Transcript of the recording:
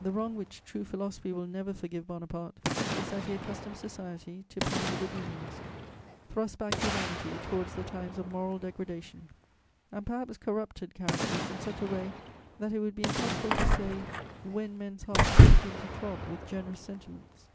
The wrong which true philosophy will never forgive Bonaparte is that he accustomed society to passive obedience, thrust back humanity towards the times of moral degradation, and perhaps corrupted characters in such a way that it would be impossible to say when men's hearts will begin to throb with generous sentiments.